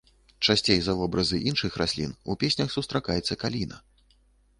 Часцей за вобразы іншых раслін у песнях сустракаецца каліна.